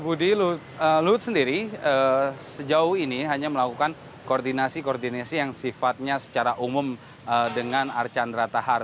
budi luhut sendiri sejauh ini hanya melakukan koordinasi koordinasi yang sifatnya secara umum dengan archandra tahar